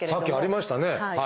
さっきありましたね。